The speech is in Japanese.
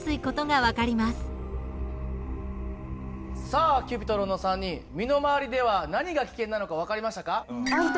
さあＣｕｐｉｔｒｏｎの３人身の回りでは何が危険なのか分かりましたか？